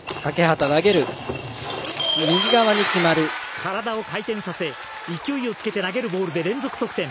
体を回転させ勢いをつけて投げるボールで連続得点。